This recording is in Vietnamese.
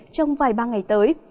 trong vài ba ngày tới